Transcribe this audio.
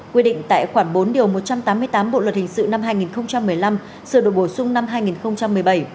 quy định tại khoảng bốn điều một trăm tám mươi tám bộ luật hình sự năm hai nghìn hai mươi